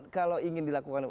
kalau ingin dilakukan